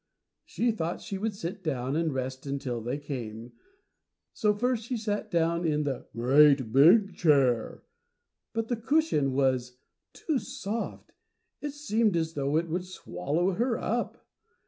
She thought she would sit down and rest until they came, so first she sat down in the GREAT BIG CHAIR, but the cushion was too soft. It seemed as though it would swallow her up.